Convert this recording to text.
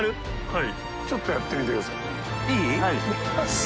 はい。